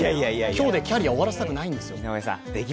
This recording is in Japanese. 今日でキャリアを終わらせたくないんですよ。